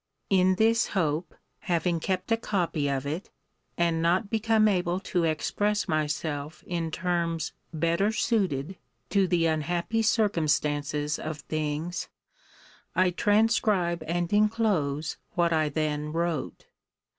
In this hope, having kept a copy of it, and not become able to express myself in terms better suited to the unhappy circumstances of things, I transcribe and enclose what I then wrote.